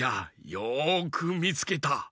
よくみつけた。